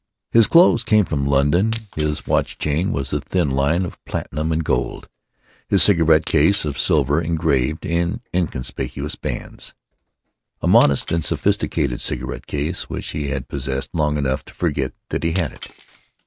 His clothes came from London, his watch chain was a thin line of platinum and gold, his cigarette case of silver engraved in inconspicuous bands—a modest and sophisticated cigarette case, which he had possessed long enough to forget that he had it.